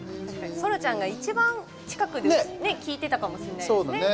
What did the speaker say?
そらちゃんが一番近くで聴いてたかもしれないですね。